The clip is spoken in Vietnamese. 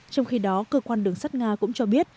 trong khi đó cơ quan đường sắt nga cũng cho biết